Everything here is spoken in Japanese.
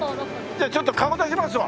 じゃあちょっと顔出しますわ。